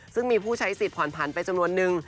ซึ่งมีผู้ใช้สิทธิผ่อนผันไปจำนวนนึง